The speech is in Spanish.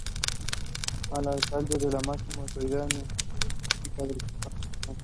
El Alcalde es la máxima autoridad administrativa y política del Cantón Santa Elena.